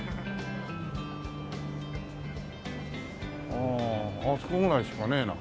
あーあそこぐらいしかねえな。